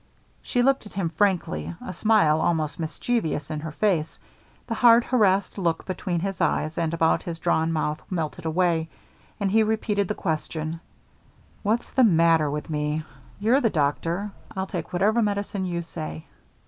She looked at him frankly, a smile, almost mischievous, in her face. The hard, harassed look between his eyes and about his drawn mouth melted away, and he repeated the question: "What's the matter with me? You're the doctor. I'll take whatever medicine you say."